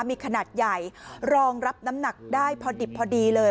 มีขนาดใหญ่รองรับน้ำหนักได้พอดิบพอดีเลย